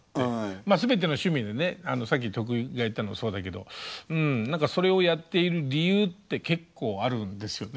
まあ全ての趣味でねさっき徳井が言ったのもそうだけどうん何かそれをやっている理由って結構あるんですよね。